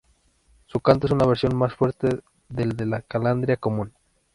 Su canto es una versión más fuerte del de la calandria común.